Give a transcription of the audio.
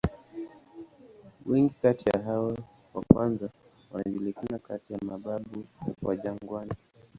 Wengi kati ya hao wa kwanza wanajulikana kati ya "mababu wa jangwani".